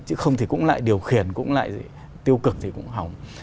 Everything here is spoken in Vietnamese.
chứ không thì cũng lại điều khiển cũng lại tiêu cực thì cũng hỏng